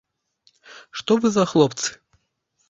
Што вы за хлопцы?